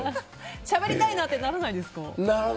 しゃべりたいなってならないですか。